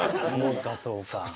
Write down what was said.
そうかそうか。